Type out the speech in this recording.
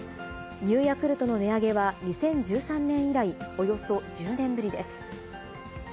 Ｎｅｗヤクルトの値上げは、２０１３年以来およそ１０年ぶりです。